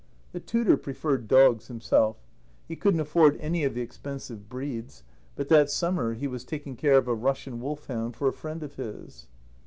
The tutor preferred dogs himself. He couldn't afford any of the expensive breeds; but that summer he was taking care of a Russian wolfhound for a friend of his.